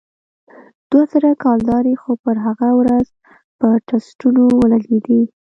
دوه زره کلدارې خو پر هغه ورځ په ټسټونو ولگېدې.